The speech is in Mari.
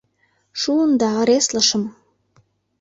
Шуын да, ыреслышым...